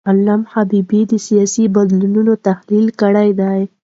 علامه حبیبي د سیاسي بدلونونو تحلیل کړی دی.